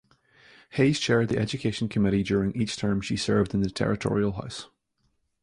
Hayes chaired the Education Committee during each term she served in the Territorial House.